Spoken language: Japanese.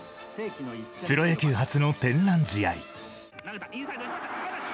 プロ野球初の天覧試合。